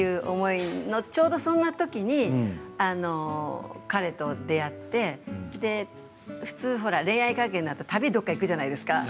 ちょうどそんなときに彼と出会って普通に恋愛関係になると旅にどこか行くじゃないですか。